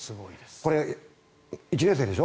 これ、１年生でしょ。